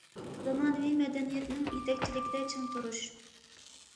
زامانىۋى مەدەنىيەتنىڭ يېتەكچىلىكىدە چىڭ تۇرۇش.